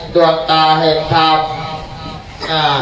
สวัสดีทุกคน